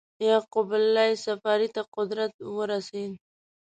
یعقوب اللیث صفاري ته قدرت ورسېد.